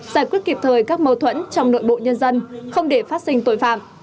giải quyết kịp thời các mâu thuẫn trong nội bộ nhân dân không để phát sinh tội phạm